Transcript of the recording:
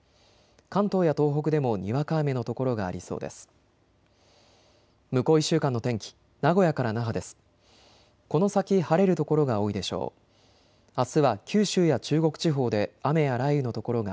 関東や東北でもにわか雨の所がありそうです。